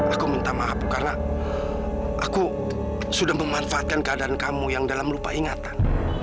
aku minta maaf karena aku sudah memanfaatkan keadaan kamu yang dalam lupa ingatan